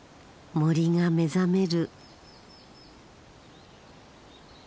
森が目覚める。